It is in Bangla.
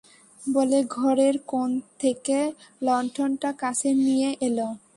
বলে ঘরের কোণ থেকে লণ্ঠনটা কাছে নিয়ে এল।